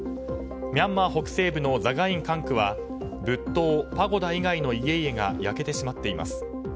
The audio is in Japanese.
ミャンマー北西部のザガイン管区は仏塔パゴダ以外の家々が焼けてしまっています。